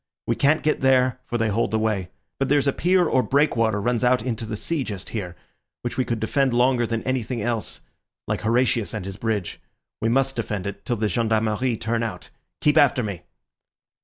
We can't get there, for they hold the way. But there's a pier or breakwater runs out into the sea just here, which we could defend longer than anything else, like Horatius and his bridge. We must defend it till the Gendarmerie turn out. Keep after me."